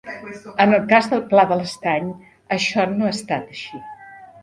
En el cas del Pla de l'Estany això no ha estat així.